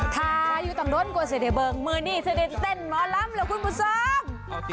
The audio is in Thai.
ถ้าอยู่ต่างด้านกว่าเสียเบิงมือนี่จะเด้นเต้นม้อล่ำเหรอคุณผู้ซ่อม